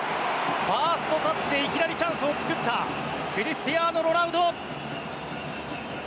ファーストタッチでいきなりチャンスを作ったクリスティアーノ・ロナウド。